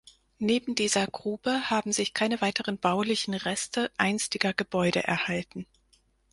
Neben dieser Grube haben sich keine weiteren baulichen Reste einstiger Gebäude erhalten.